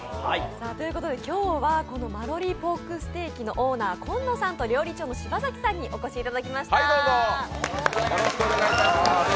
今日はマロリーポークステーキのオーナー、今野さんと芝崎さんにお越しいただきました。